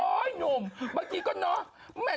โอ๊ยหนุ่มบางทีก็เนอะ